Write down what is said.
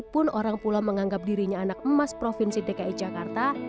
walaupun orang pula menganggap dirinya anak emas provinsi dki jakarta